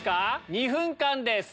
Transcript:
２分間です。